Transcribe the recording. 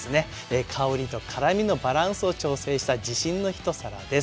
香りと辛みのバランスを調整した自信の一皿です。